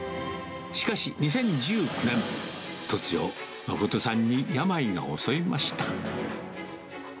しかし、２０１９年、突如、誠さんに病が襲いました。